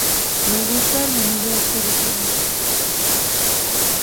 Me gusta el menú de este restaurante